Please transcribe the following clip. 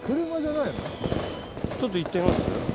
ちょっと行ってみます？